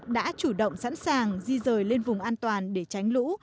đã chủ động sẵn sàng di rời lên vùng an toàn để tránh lũ